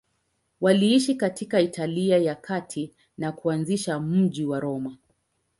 Waliishi katika Italia ya Kati na kuanzisha mji wa Roma.